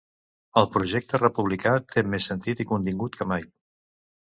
El projecte republicà té més sentit i contingut que mai.